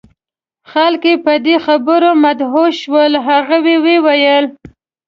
خلک یې په دې خبرو مدهوش شول. هغوی وویل: